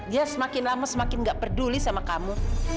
dia semakin lama semakin gak peduli sama kamu